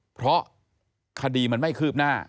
เพราะคดีมันไม่คืบหน้า